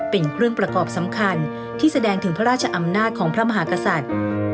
เป็นเครื่องประกอบสำคัญที่แสดงถึงพระราชอำนาจของพระมหากษัตริย์